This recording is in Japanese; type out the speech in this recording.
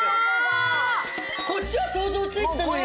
こっちは想像ついてたのよ！